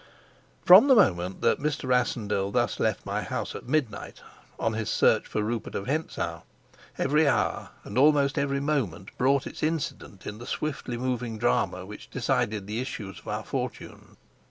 From the moment that Mr. Rassendyll thus left my house at midnight on his search for Rupert of Hentzau, every hour and almost every moment brought its incident in the swiftly moving drama which decided the issues of our fortune.